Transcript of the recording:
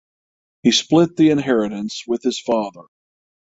He split the inheritance with his father.